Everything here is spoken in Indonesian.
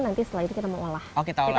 nanti setelah itu kita mau olah